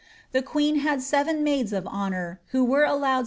The queen had seven maids of honour, who were allowed 0